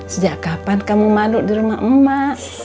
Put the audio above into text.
sejak kapan kamu malu di rumah emas